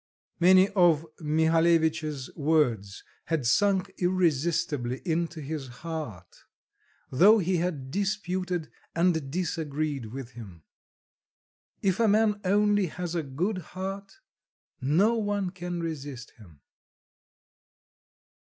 Many of Mihalevitch's words had sunk irresistibly into his heart, though he had disputed and disagreed with him. If a man only has a good heart, no one can resist him.